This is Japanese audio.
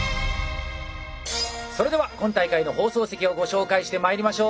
それでは今大会の放送席をご紹介してまいりましょう。